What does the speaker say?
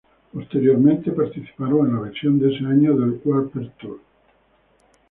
Posteriormente participaron en la versión de ese año del Warped Tour.